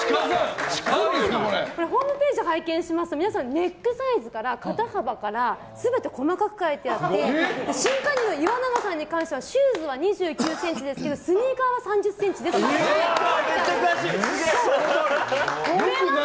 ホームページを拝見しますと皆さんネックサイズから肩幅からすべて細かく書いてあって新加入の岩永さんに関してはシューズは２９ｃｍですけどスニーカーは３０ｃｍですって。